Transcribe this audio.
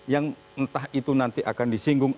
yang entah itu nanti akan disinggung